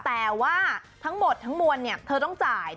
แต่ว่าทั้งหมดทั้งมวลเธอต้องจ่าย